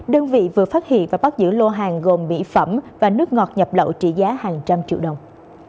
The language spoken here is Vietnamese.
đơn vị vừa phát hiện và bắt giữ lô hàng gồm mỹ phẩm và nước ngọt nhập lậu trị giá hàng trăm triệu đồng